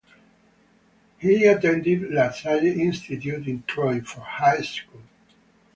He attended LaSalle Institute in Troy, for high school.